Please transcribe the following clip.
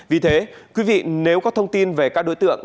vì thế quý vị nếu có thông tin về các đối tượng